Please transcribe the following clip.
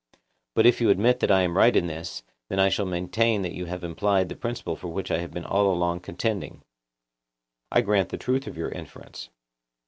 But if you admit that I am right in this, then I shall maintain that you have implied the principle for which we have been all along contending. I grant the truth of your inference.